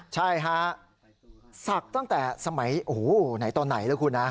ใช่ฮะศักดิ์ตั้งแต่สมัยโอ้โหไหนตอนไหนแล้วคุณนะ